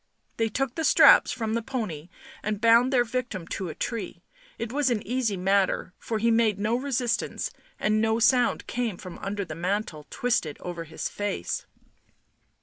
They took the straps from the pony and bound their victim to a tree ; it was an easy matter, for he made no resistance and no sound came from under the mantle twisted over his face.